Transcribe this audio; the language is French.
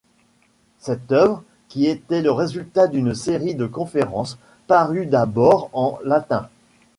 Cette œuvre, qui était le résultat d'une série de conférences, parut d'abord en latin.